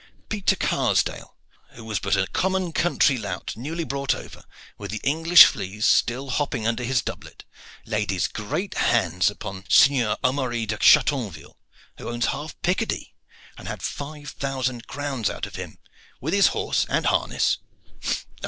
Peter Karsdale, who was but a common country lout newly brought over, with the English fleas still hopping under his doublet, laid his great hands upon the Sieur Amaury de Chatonville, who owns half Picardy, and had five thousand crowns out of him, with his horse and harness.